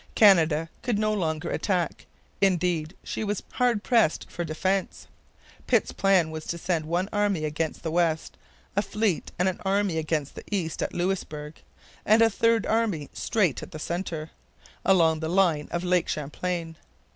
Canada could no longer attack; indeed, she was hard pressed for defence. Pitt's plan was to send one army against the west, a fleet and an army against the east at Louisbourg, and a third army straight at the centre, along the line of Lake Champlain.